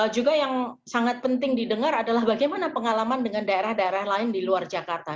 juga yang sangat penting didengar adalah bagaimana pengalaman dengan daerah daerah lain di luar jakarta